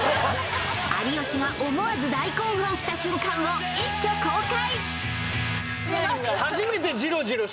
有吉が思わず大興奮した瞬間を一挙公開！